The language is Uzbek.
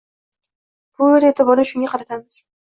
Bu yerda e’tiborni shunga qaratamiz.